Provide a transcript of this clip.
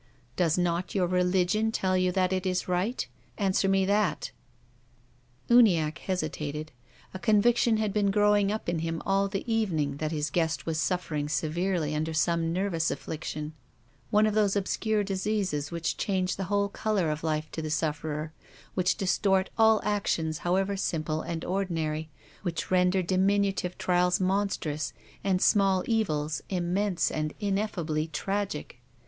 Does not your religion tell you that it is right ? Answer me that ?" Uniacke hesitated. A conviction had been growing up in him all the evening that his guest was suffering severely under some nervous afflic tion ; one of those obscure diseases which change the whole colour of life to the sufferer, which dis tort all actions however simple and ordinary, which render diminutive trials monstrous, and small evils immense and ineffably tragic.